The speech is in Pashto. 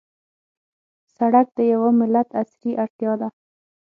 سړک د یوه ملت عصري اړتیا ده.